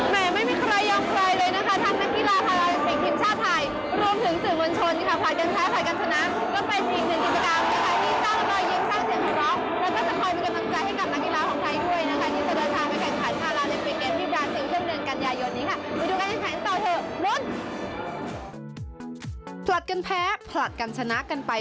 แหมไม่มีใครยอมไพเลยนะคะ